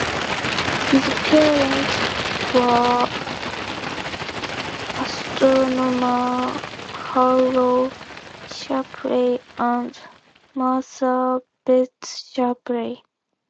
His parents were astronomers Harlow Shapley and Martha Betz Shapley.